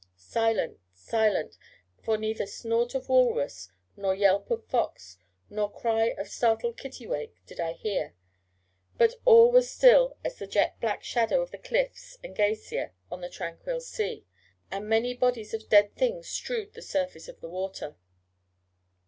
Silent, silent: for neither snort of walrus, nor yelp of fox, nor cry of startled kittiwake, did I hear: but all was still as the jet black shadow of the cliffs and glacier on the tranquil sea: and many bodies of dead things strewed the surface of the water.